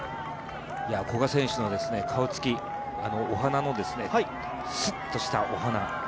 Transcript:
古賀選手の顔つき、お鼻もすっとしたお鼻